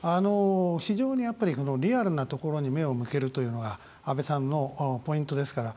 非常に、やっぱりリアルなところに目を向けるというのが安倍さんのポイントですから。